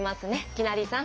きなりさん。